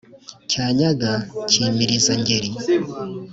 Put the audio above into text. cyanyaga cyimiriza-ngeri